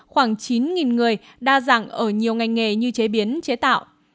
khoảng chín người đa dạng ở nhiều ngành nghề như chế biến chế tạo